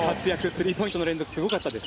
スリーポイントの連続すごかったです。